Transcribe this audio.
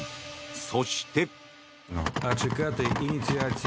そして。